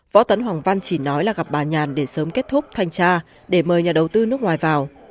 võ tấn hoàng văn chỉ nói là gặp bà nhàn để sớm kết thúc thanh tra để mời nhà đầu tư nước ngoài vào